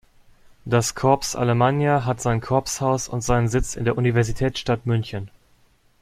Das Corps Alemannia hat sein Corpshaus und seinen Sitz in der Universitätsstadt München.